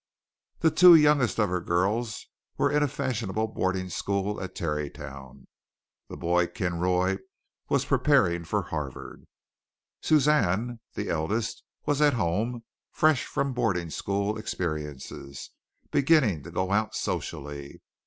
The two youngest of her girls were in a fashionable boarding school at Tarrytown; the boy, Kinroy, was preparing for Harvard; Suzanne, the eldest, was at home, fresh from boarding school experiences, beginning to go out socially.